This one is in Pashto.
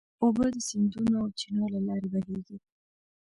اوبه د سیندونو او چینو له لارې بهېږي.